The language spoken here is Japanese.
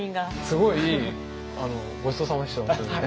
すごいいいごちそうさまでした本当に。